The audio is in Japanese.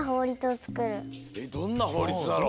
どんなほうりつだろう。